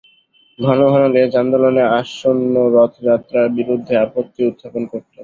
ঘন ঘন লেজ আন্দোলনে আসন্ন রথযাত্রার বিরুদ্ধে আপত্তি উত্থাপন করত।